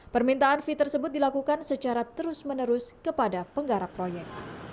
permintaan fee tersebut dilakukan secara terus menerus kepada penggarap proyek